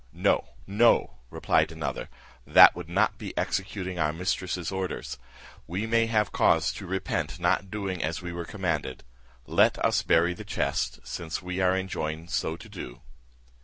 "No, no," replied another, "that would not be executing our mistress's orders; we may have cause to repent not doing as we were commanded. Let us bury the chest, since we are enjoined so to do."